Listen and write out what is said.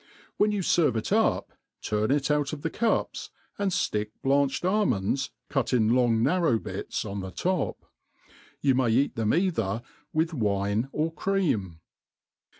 When you ferve it up, turn it out of the cups, and ftick blanched almonds, cutin long narrow bits, on the top. You may eat them either with wine or cream.